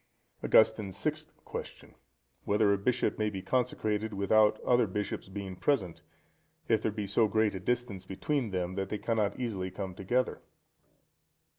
Augustine's Sixth Question.—Whether a bishop may be consecrated without other bishops being present, if there be so great a distance between them, that they cannot easily come together?